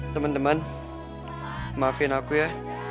teman teman maafin aku ya